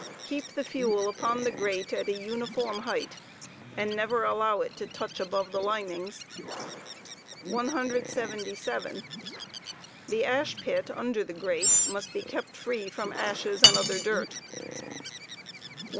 Keep the fuel upon the grate at ^uniform height, and never allow it to touch above the linings. Aflbeaooddirt 177. The ash pit under the grate must be kept free from ashes and'other dirt 178.